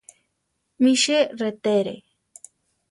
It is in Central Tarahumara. Michi rétere.